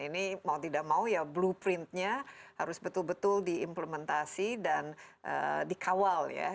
ini mau tidak mau ya blueprintnya harus betul betul diimplementasi dan dikawal ya